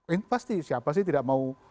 ini pasti siapa sih tidak mau